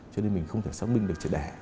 cho nên mình không thể xác minh được triệt đẻ